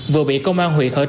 vừa bị công an huyện khởi tập